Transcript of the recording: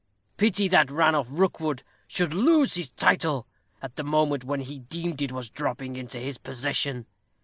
Pity that Ranulph Rookwood should lose his title, at the moment when he deemed it was dropping into his possession.